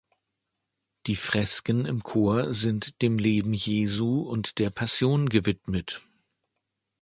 Die Fresken im Chor sind dem Leben Jesu und der Passion gewidmet.